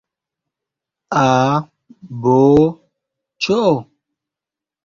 A… B… Ĉ?